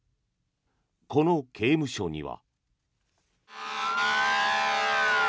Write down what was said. この刑務所には。